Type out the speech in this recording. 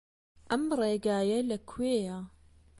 ئەم ڕێگایە لەکوێیە؟